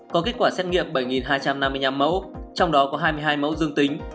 có kết quả xét nghiệm bảy hai trăm năm mươi năm mẫu trong đó có hai mươi hai mẫu dương tính